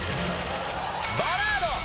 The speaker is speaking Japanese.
「バラード」。